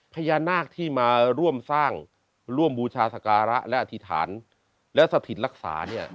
พญานาคที่มาร่วมสร้างร่วมบูชาสการะและอธิษฐานและสถิตรักษาเนี่ย